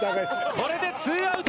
これでツーアウト。